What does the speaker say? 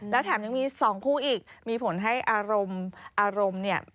และแถมยังมี๒คู่อีกมีผลให้อารมณ์